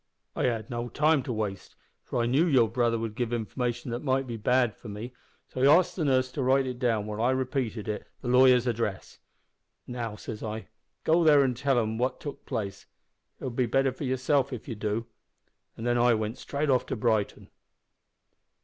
"I had no time now to waste, for I knew that your brother would give information that might be bad for me, so I asked the nurse to write down, while I repeated it, the lawyer's address. "`Now,' says I, `go there an' tell 'em what's took place. It'll be the better for yourself if you do.' An' then I went straight off to Brighton."